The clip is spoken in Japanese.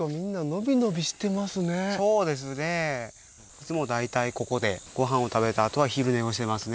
いつも大体ここでご飯を食べたあとは昼寝をしてますね。